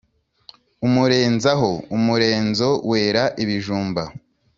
Umurenzaho (umurenzo) wera ibijumba.